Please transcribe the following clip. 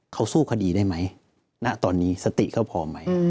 เขาสู้คดีได้ไหมณตอนนี้สติก็พอไหม